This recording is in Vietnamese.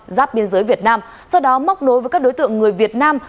giáp biên giới việt nam sau đó móc nối với các đối tượng người việt nam